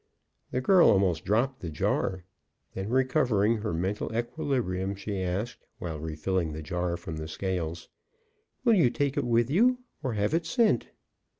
The girl almost dropped the jar. Then recovering her mental equilibrium, she asked, while refilling the jar from the scales: "Will you take it with you, or have it sent?"